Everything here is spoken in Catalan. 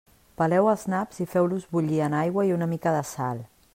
Peleu els naps i feu-los bullir en aigua i una mica de sal.